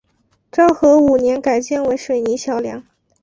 昭和五年改建为水泥桥梁。